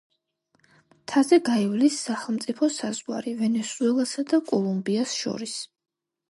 მთაზე გაივლის სახელმწიფო საზღვარი ვენესუელასა და კოლუმბიას შორის.